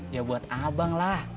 ya buat abang lah